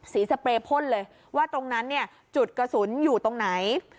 สเปรย์พ่นเลยว่าตรงนั้นเนี่ยจุดกระสุนอยู่ตรงไหน